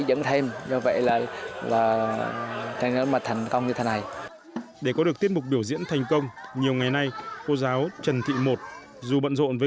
để có được tiết mục biểu diễn thành công nhiều ngày nay cô giáo trần thị một dù bận rộn với